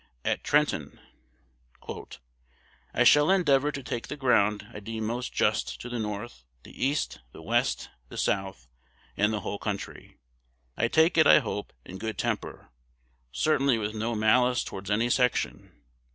At Trenton: "I shall endeavor to take the ground I deem most just to the North, the East, the West, the South, and the whole country. I take it, I hope, in good temper, certainly with no malice towards any section.